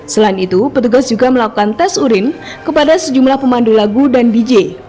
selain itu petugas juga melakukan tes urin kepada sejumlah pemandu lagu dan dj